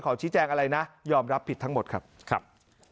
ชี้แจงอะไรนะยอมรับผิดทั้งหมดครับ